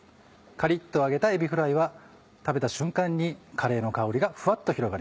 カリっと揚げたえびフライは食べた瞬間にカレーの香りがふわっと広がります。